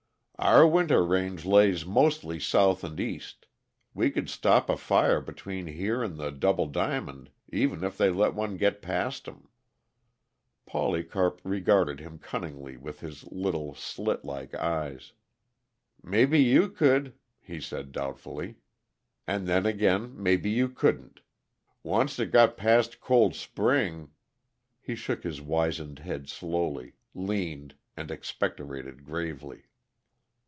"Our winter range lays mostly south and east; we could stop a fire between here and the Double Diamond, even if they let one get past 'em." Polycarp regarded him cunningly with his little, slitlike eyes. "Mebbe you could," he said doubtfully. "And then again, mebbe you couldn't. Oncet it got past Cold Spring " He shook his wizened head slowly, leaned, and expectorated gravely.